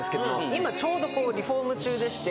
今ちょうどこうリフォーム中でして。